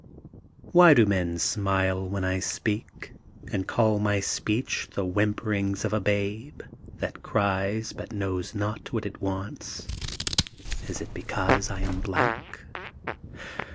Why do men smile when I speak, And call my speech The whimperings of a babe That cries but knows not what it wants? Is it because I am black?